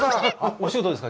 お仕事ですか？